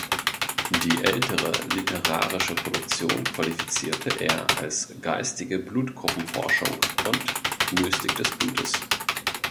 Die ältere literarische Produktion qualifizierte er als „geistige Blutgruppen-Forschung“ und „Mystik des Blutes“.